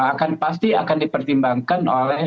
akan pasti akan dipertimbangkan oleh